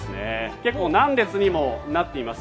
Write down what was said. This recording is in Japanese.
結構、何列にもなっています。